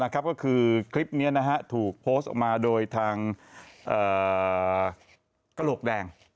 ก็คือคลิปนี้ถูกโพสต์ออกมาโดยทางกระโหลกแดง